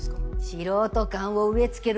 素人感を植え付けるため。